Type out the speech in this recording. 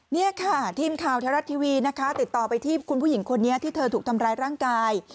นี่ค่ะทีมข่าวไทยรัฐทีวีนะคะติดต่อไปที่คุณผู้หญิงคนนี้ที่เธอถูกทำร้ายร่างกาย